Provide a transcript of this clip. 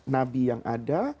nabi yang ada